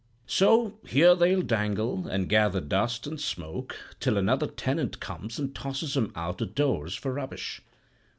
So here they'll dangle, and gather dust and smoke, till another tenant comes and tosses 'em out o' doors for rubbish.